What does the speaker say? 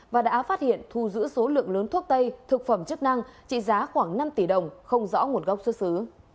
và đã phát hiện thu giữ số lượng lớn thuốc tây thực phẩm chức năng trị giá khoảng năm tỷ đồng không rõ nguồn gốc xuất xứ